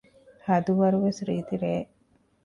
ހަދުވަރުވެސް ރީތި ރެއެއް